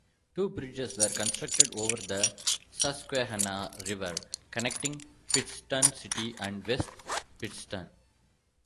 Two bridges were constructed over the Susquehanna River, connecting Pittston City and West Pittston.